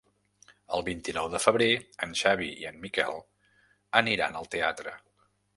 El vint-i-nou de febrer en Xavi i en Miquel aniran al teatre.